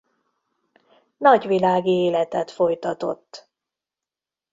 Nagyvilági életet folytatott.